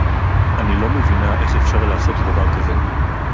אני לא מבינה איך אפשר לעשות דבר כזה